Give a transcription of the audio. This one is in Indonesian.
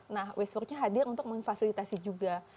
nah ways for change hadir untuk memfasilitasi juga